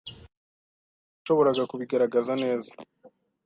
Ntabwo nashoboraga kubigaragaza neza.